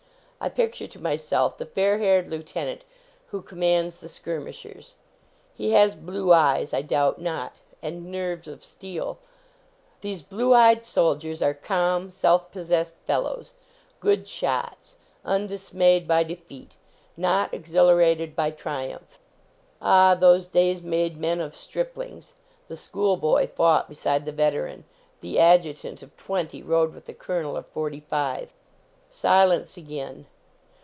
I picture to myself the fair haired lieutenant who commands the skirmishers. He has blue eyes, I doubt not; and nerves of steel; these blue eyed soldiers are calm, self pos sessed fellows; good shots; undismayed by defeat, not exhilarated by triumph. Ah, those days made men of striplings; the school boy fought beside the veteran; the adjutant of twenty rode with the colonel of forty five. Silence again.